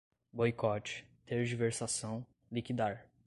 Boicote, tergiversação, liquidar